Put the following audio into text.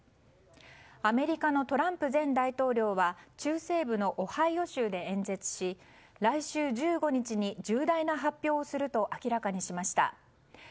アメリカのトランプ前大統領は中西部のオハイオ州で演説し来週１５日に重大な発表をすると明らかにしました。